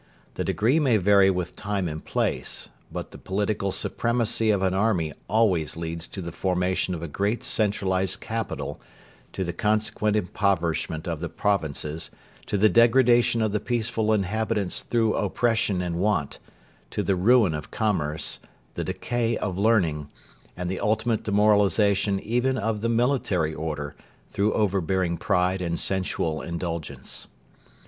The degree may vary with time and place, but the political supremacy of an army always leads to the formation of a great centralised capital, to the consequent impoverishment of the provinces, to the degradation of the peaceful inhabitants through oppression and want, to the ruin of commerce, the decay of learning, and the ultimate demoralisation even of the military order through overbearing pride and sensual indulgence.